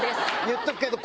言っとくけど。